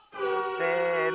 せの！